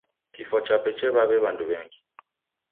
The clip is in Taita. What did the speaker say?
Kifwa chape chaw'aw'e w'andu w'engi.